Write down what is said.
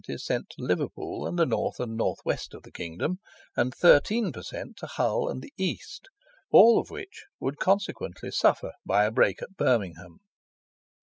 is sent to Liverpool and the north and north west of the kingdom, and 13 per cent. to Hull and the east, all of which would consequently suffer by a break at Birmingham.